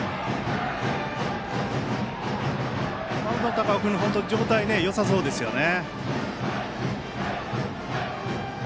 高尾君の状態よさそうですよね。